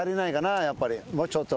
もうちょっと。